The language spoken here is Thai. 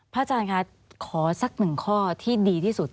อาจารย์คะขอสักหนึ่งข้อที่ดีที่สุด